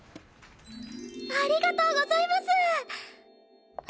ありがとうございます！